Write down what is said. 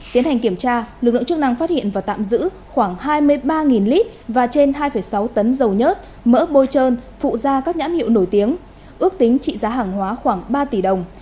tiến hành kiểm tra lực lượng chức năng phát hiện và tạm giữ khoảng hai mươi ba lít và trên hai sáu tấn dầu nhớt mỡ bôi trơn phụ da các nhãn hiệu nổi tiếng ước tính trị giá hàng hóa khoảng ba tỷ đồng